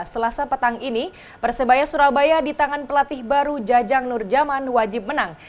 selasa petang ini persebaya surabaya di tangan pelatih baru jajang nurjaman wajib menang